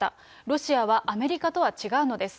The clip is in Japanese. ロシアはアメリカとは違うのです。